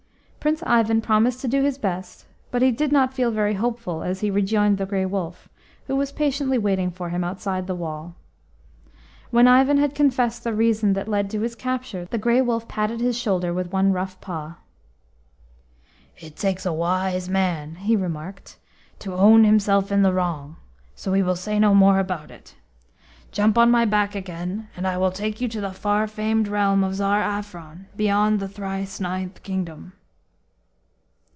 Prince Ivan promised to do his best, but he did not feel very hopeful as he rejoined the Grey Wolf, who was patiently waiting for him outside the wall. When Ivan had confessed the reason that led to his capture the Grey Wolf patted his shoulder with one rough paw. T takes a wise man," he remarked, "to own himself in the wrong, so we will say no more about it. Jump on my back again, and I will take you to the far famed realm of Tsar Afron, beyond the thrice ninth kingdom."